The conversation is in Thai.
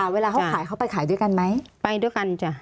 เวลาเขาขายเขาไปขายด้วยกันไหมไปด้วยกันจ้ะ